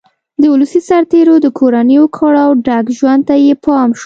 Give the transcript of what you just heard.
د ولسي سرتېرو د کورنیو کړاوه ډک ژوند ته یې پام شو